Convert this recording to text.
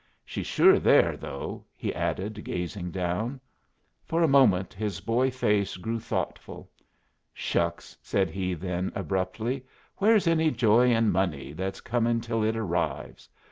"She's sure there, though," he added, gazing down. For a moment his boy face grew thoughtful. "Shucks!" said he then, abruptly, "where's any joy in money that's comin' till it arrives?